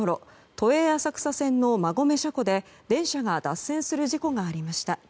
都営浅草線の馬込車庫で、電車が脱線する事故がありました。